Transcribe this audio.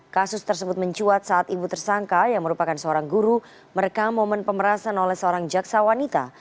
kasus tersebut mencuat saat ibu tersangka yang merupakan seorang guru merekam momen pemerasan oleh seorang jaksa wanita